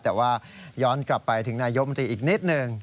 แต่ว่าย้อนกลับไปที่อีกนิดจังหนาโยชน์มั่วอีกนิดหนึ่ง